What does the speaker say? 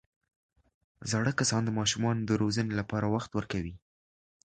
زاړه کسان د ماشومانو د روزنې لپاره وخت ورکوي